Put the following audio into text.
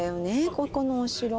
ここのお城はね。